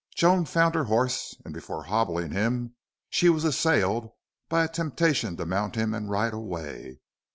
Joan found her horse, and before hobbling him she was assailed by a temptation to mount him and ride away.